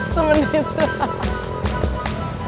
sebentar temen itu